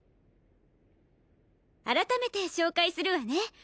改めて紹介するわね。